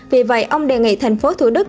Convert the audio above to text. vì vậy ông đề nghị thành phố thủ đức